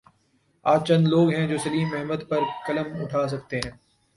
آج چند لوگ ہیں جو سلیم احمد پر قلم اٹھا سکتے ہیں۔